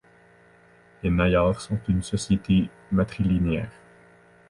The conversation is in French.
Les Nayars sont une société matrilinéaire.